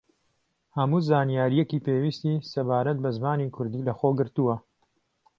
هەموو زانیارییەکی پێویستی سەبارەت بە زمانی کوردی لە خۆگرتووە